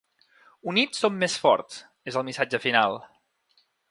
Units som més forts, és el missatge final.